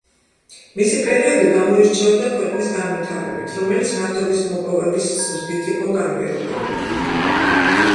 მისი პერიოდი გამოირჩეოდა ქვეყნის განვითარებით, რომელიც ნავთობის მოპოვების ზრდით იყო განპირობებული.